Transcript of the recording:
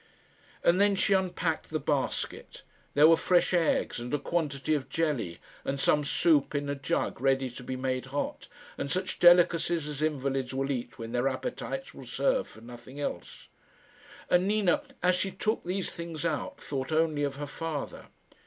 And then she unpacked the basket. There were fresh eggs, and a quantity of jelly, and some soup in a jug ready to be made hot, and such delicacies as invalids will eat when their appetites will serve for nothing else. And Nina, as she took these things out, thought only of her father.